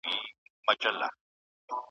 که نن نه وي جانانه سبا کلي ته درځمه .